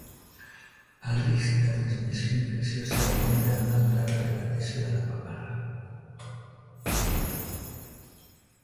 El risc de transmissió infecciosa augmenta amb la durada de l’adhesió de la paparra.